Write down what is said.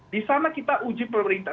di sana kita uji pemerintah